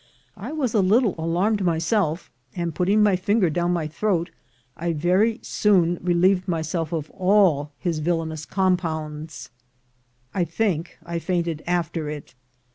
I was a little alarmed myself, and putting my finger down my throat, I very soon re lieved myself of all his villainous compounds. I think I fainted after it.